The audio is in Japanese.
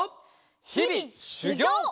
ひびしゅぎょう！